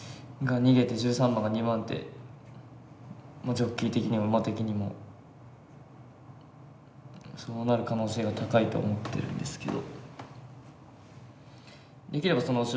ジョッキー的にも馬的にもそうなる可能性が高いと思ってるんですけど。